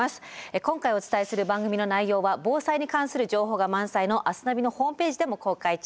今回お伝えする番組の内容は防災に関する情報が満載の「明日ナビ」のホームページでも公開中です。